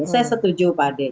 saya setuju pak adik